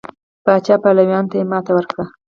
پاچا پلویانو ته یې ماتې ورکړه.